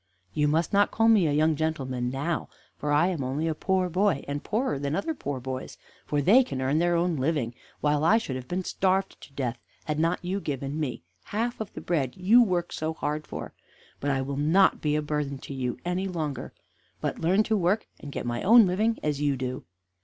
"You must not call me a young gentleman now, for I am only a poor boy, and poorer than other poor boys, for they can earn their own living, while I should have been starved to death had not you given me half of the bread you work so hard for. But I will not be a burthen to you any longer, but learn to work and get my own living as you do."